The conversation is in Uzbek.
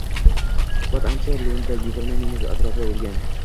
Suhbat ancha loʻnda, yigirma minut atrofida bo‘lgan